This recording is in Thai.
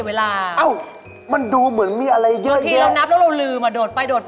ว่าก็ดูจากธรรมชาติ